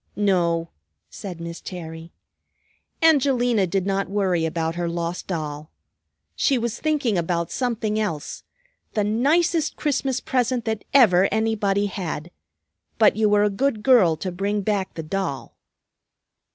"No," said Miss Terry. "Angelina did not worry about her lost doll. She was thinking about something else, the nicest Christmas present that ever anybody had. But you were a good girl to bring back the doll."